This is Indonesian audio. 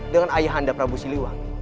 dengan ayah anda prabu siliwan